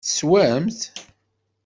Teswam-t?